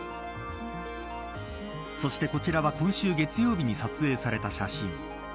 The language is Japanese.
そして、こちらは今週月曜日に撮影された写真。